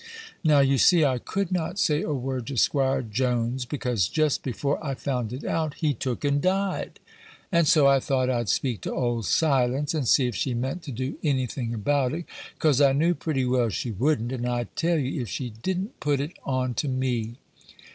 Now, you see, I could not say a word to 'Squire Jones, because, jest before I found it out, he took and died; and so I thought I'd speak to old Silence, and see if she meant to do any thing about it, 'cause I knew pretty well she wouldn't; and I tell you, if she didn't put it on to me!